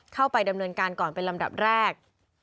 เข้าไปดำเนินการก่อนเป็นลำดับแรก